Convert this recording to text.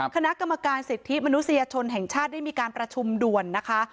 คณะกรรมการสิทธิมนุษยชนแห่งชาติได้มีการประชุมด่วนนะคะ